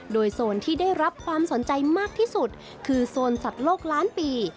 โดยโซนที่ได้รับความสนใจมากที่สุดคือโซนสัตว์โลกล้านปี